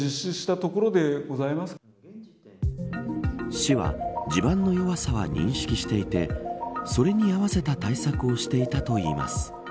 市は地盤の弱さは認識していてそれに合わせた対策をしていたといいます。